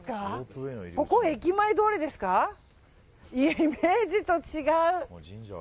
イメージと違う。